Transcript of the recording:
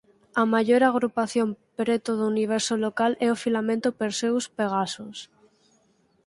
A maior agrupación preto do Universo local é o Filamento Perseus–Pegasus.